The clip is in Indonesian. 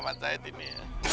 mas syahid ini